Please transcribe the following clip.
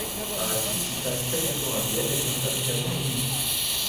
Par la suite, il passe quelque temps à Vienne et s'installe finalement à Munich.